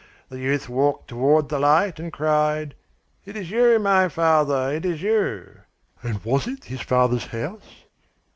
The youth walked toward the light, and cried: 'It is you, my father, it is you!' "And was it his father's house?"